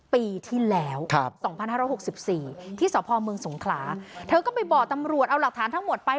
ปีที่แล้ว๒๕๖๔ที่สพเมืองสงขลาเธอก็ไปบอกตำรวจเอาหลักฐานทั้งหมดไป